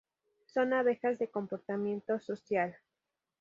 Son abejas de comportamiento social.